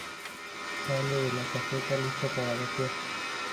Sale de la caseta listo para batear.